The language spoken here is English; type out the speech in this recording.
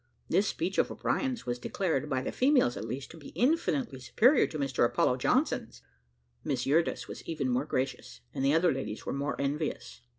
This speech of O'Brien's was declared, by the females at least, to be infinitely superior to Mr Apollo Johnson's. Miss Eurydice was even more gracious, and the other ladies were more envious.